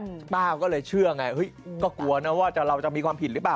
ป้าเขาก็เลยเชื่อกันก็กลัวว่ามันมีความผิดหรือเปล่า